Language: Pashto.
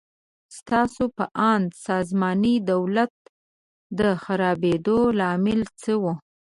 ستاسو په اند د ساماني دولت د خرابېدو لامل څه و؟